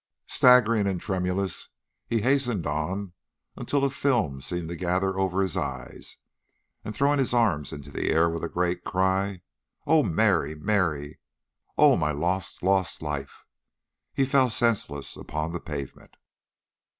Staggering and tremulous he hastened on until a film seemed to gather over his eyes, and throwing his arms into the air with a great cry, "Oh, Mary, Mary! Oh, my lost, lost life!" he fell senseless upon the pavement.